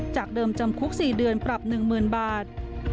จากเดิมจำคุก๔เดือนปรับ๑๐๐๐บาท